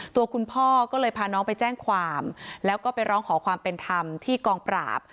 ตัวคุณพ่อก็เลยพาน้องไปแจ้งความแล้วก็ไปร้องขอความเป็นธรรมที่กองปราบ